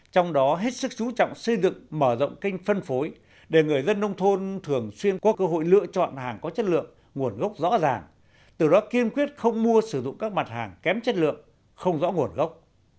trong đó hết sức chú trọng xây dựng mở rộng kênh phân phối để người dân nông thôn thường xuyên có cơ hội lựa chọn hàng có chất lượng nguồn gốc rõ ràng từ đó kiên quyết không mua sử dụng các mặt hàng kém chất lượng không rõ nguồn gốc